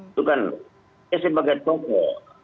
itu kan sebagai toko